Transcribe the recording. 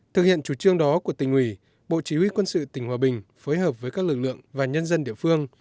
thực hiện chủ trương đó của tình huy bộ chí huy quân sự tình hòa bình phối hợp với các lực lượng và nhân dân địa phương